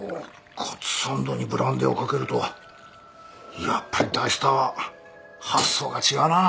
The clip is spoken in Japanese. カツサンドにブランデーを掛けるとはやっぱり大スターは発想が違うなぁ。